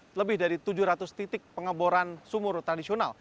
saya dapat lebih dari tujuh ratus titik pengeboran sumur tradisional